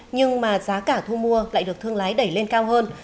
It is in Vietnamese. nhưng mà giá cả thu mua lại được thương lái đẩy lên cao hơn